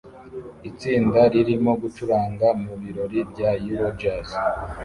Itsinda ririmo gucuranga mu birori bya Euro Jazz